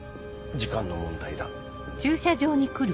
時間の問題だ。